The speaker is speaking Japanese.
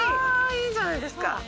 あいいじゃないですか。